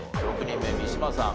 ６人目三島さん